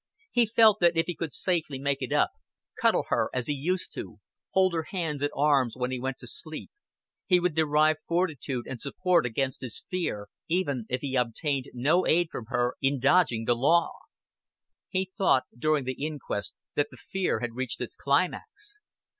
He felt that if he could safely make it up, cuddle her as he used to do, hold her hands and arms when he went to sleep, he would derive fortitude and support against his fear, even if he obtained no aid from her in dodging the law. He thought during the inquest that the fear had reached its climax.